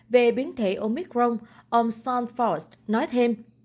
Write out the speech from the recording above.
về biến thể omicron ông sean forrest nói thêm